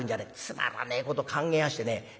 つまらねえこと考えやしてね